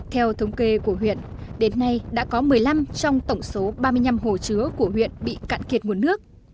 theo thống kê của huyện đến nay đã có một mươi năm trong tổng số ba mươi năm hồ chứa của huyện bị cạn kiệt nguồn nước